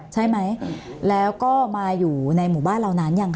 ใช่ไหมแล้วก็มาอยู่ในหมู่บ้านเรานั้นยังค